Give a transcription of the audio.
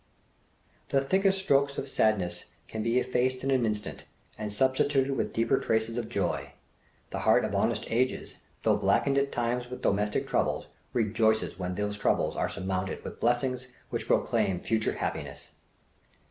The thickest stroke of sadness can be effaced in an instant, and substituted with deeper traces of joy. The heart of honest ages, though blackened at times with domestic troubles, rejoices when those troubles are surmounted with blessings which proclaim future happiness.